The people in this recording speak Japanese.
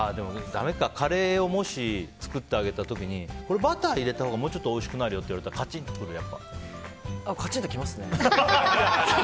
カレーをもし作ってあげた時にこれバター入れたほうがおいしくなるよって言われたらカチンときますね。